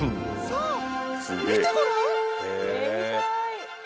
「さあ見てごらん」